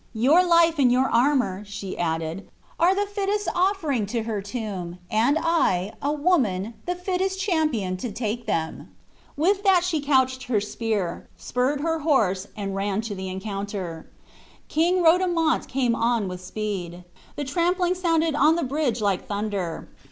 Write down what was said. "Your life and your armor," she added, "are the fittest offering to her tomb, and I, a woman, the fittest champion to take them." With that she couched her spear, spurred her horse, and ran to the encounter. King Rodomont came on with speed. The trampling sounded on the bridge like thunder.